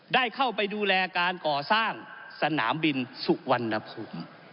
ได้เข้าไปดูแลการก่อสร้างสนามบินสุวรรณภูมิ